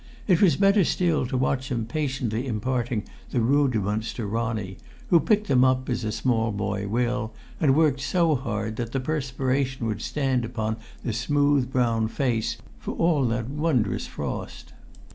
It was better still to watch him patiently imparting the rudiments to Ronnie, who picked them up as a small boy will, and worked so hard that the perspiration would stand upon the smooth brown face for all that wondrous frost.